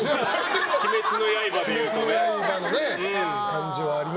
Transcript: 「鬼滅の刃」でいうとね。